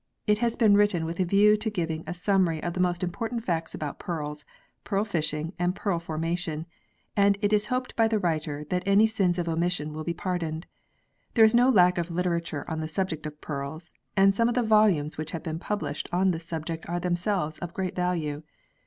It has been written with a view to giving a summary of the most important facts about pearls, pearl fishing and pearl formation, and it is hoped by the writer that any sins of omission will be pardoned. There is no lack of literature on the subject of pearls, and some of the volumes which have been published on this subject are themselves of great value.